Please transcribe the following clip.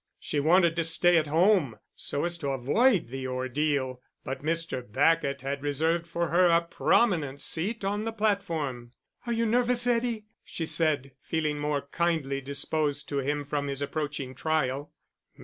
She wanted to stay at home so as to avoid the ordeal, but Mr. Bacot had reserved for her a prominent seat on the platform. "Are you nervous, Eddie?" she said, feeling more kindly disposed to him from his approaching trial.